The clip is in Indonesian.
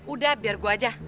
udah biar gue aja